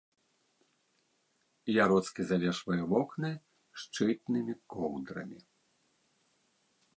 Яроцкі завешвае вокны шчытнымі коўдрамі.